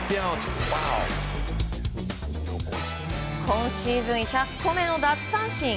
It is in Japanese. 今シーズン１００個目の奪三振。